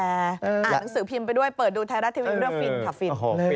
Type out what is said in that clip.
หนังสือพิมพ์ไปด้วยเปิดดูไทยรัฐทีวีเรื่องฟินค่ะฟิน